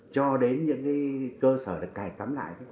cho đến những cái cơ sở được cài cắm lại